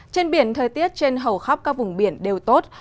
trên biển thời tiết trên hầu khắp các vùng biển đều tốt